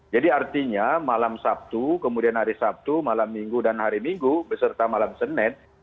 jadi artinya malam sabtu kemudian hari sabtu malam minggu dan hari minggu beserta malam senin